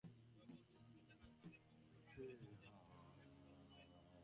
প্রবল দোষও আছে, যাহা কালে সংযত না হইলে সমাজের বিনাশসাধন করে।